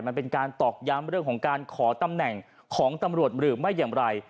มันเป็นการตอกย้ำเรื่องของการขอตำแหน่งของตำรวจหรือไม่อย่างไร